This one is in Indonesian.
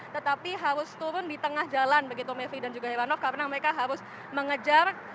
tetapi harus turun di tengah jalan begitu mevri dan juga heranov karena mereka harus mengejar